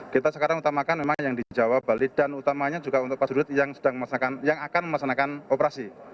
kita sekarang utamakan memang yang di jawa bali dan utamanya juga untuk prajurit yang akan melaksanakan operasi